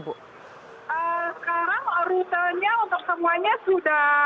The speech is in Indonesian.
sekarang rutenya untuk semuanya sudah